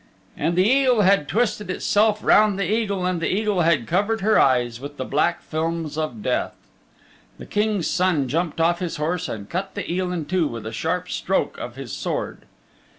And the eel had twisted itself round the eagle, and the eagle had covered her eyes with the black films of death. The King's Son jumped off his horse and cut the eel in two with a sharp stroke of his sword.